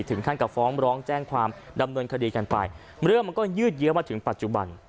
ถึงขั้นกับฟ้องร้องแจ้งความดำเนินคดีกันไปเรื่องมันก็ยืดเยอะมาถึงปัจจุบัน